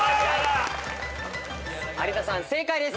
有田さん正解です。